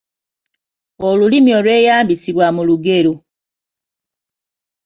Olulimi olweyambisibwa mu lugero